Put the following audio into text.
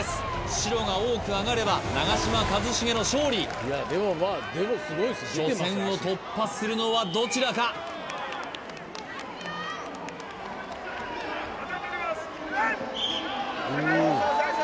白が多くあがれば長嶋一茂の勝利初戦を突破するのはどちらか判定とります判定！